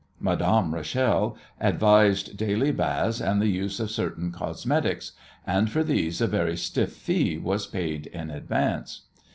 Madame Rachel advised daily baths and the use of certain cosmetics, and for these a very stiff fee was paid in advance.